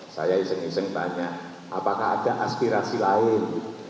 saya iseng iseng tanya apakah ada aspirasi lain